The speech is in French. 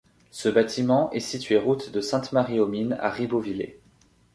Ce bâtiment est situé route de Sainte-Marie-aux-Mines à Ribeauvillé.